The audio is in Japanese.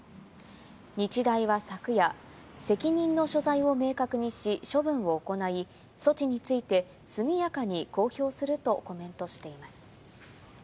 日大は昨夜、責任の所在を明確にし、処分を行い、措置について速やかに公表するとコメントしています。